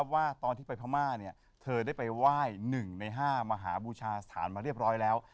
ว่าตอนที่ไปพม่าเธอได้ไปไหว้๑ใน๕มหาบูชาสถานมาเรียบร้อยแล้ว